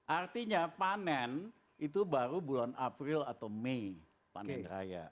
artinya panen itu baru bulan april atau mei panen raya